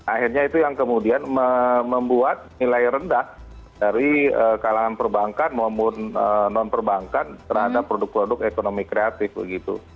akhirnya itu yang kemudian membuat nilai rendah dari kalangan perbankan maupun non perbankan terhadap produk produk ekonomi kreatif begitu